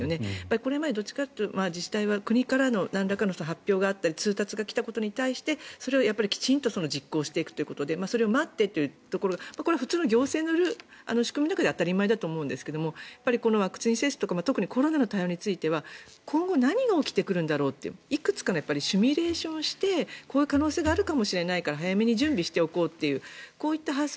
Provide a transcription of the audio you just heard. これまでどっちかというと自治体は国からのなんらかの発表があったり通達が来たことに対してそれをきちんと実行していくということでそれを待ってというところ普通の行政の仕組みとしては当たり前だと思うんですがワクチン接種とか特にコロナの対応については今後何が起きてくるんだろうといくつかのシミュレーションをしてこういう可能性があるかもしれないから早めに準備しておこうというこういった発想。